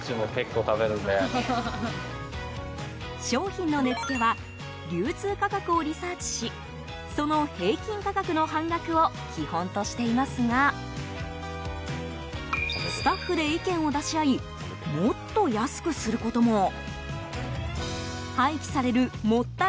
商品の値付けは流通価格をリサーチしその平均価格の半額を基本としていますがスタッフで意見を出し合いもっと安くすることも。